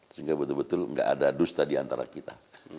sehingga betul betul nggak ada dusta diantara kita